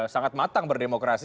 sangat matang berdemokrasi